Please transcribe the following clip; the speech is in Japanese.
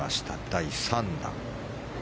第３打。